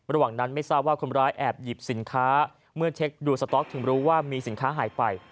ระหว่างนั้นไม่ทราบว่าคนร้ายแอบหยิบสินค้าเมื่อเช็คดูสต๊อกถึงรู้ว่ามีสินค้าหายไป